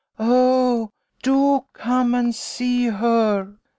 Oh, do come and see her!